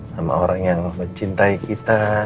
sama orang yang mencintai kita